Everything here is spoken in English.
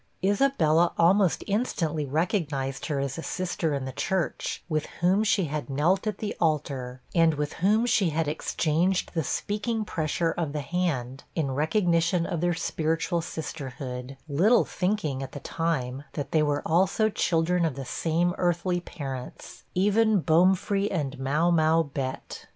Isabella almost instantly recognized her as a sister in the church, with whom she had knelt at the altar, and with whom she had exchanged the speaking pressure of the hand, in recognition of their spiritual sisterhood; little thinking, at the time, that they were also children of the same earthly parents even Bomefree and Mau mau Bett.